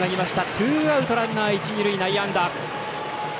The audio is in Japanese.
ツーアウト、ランナー、一、二塁内野安打。